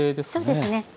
そうですね。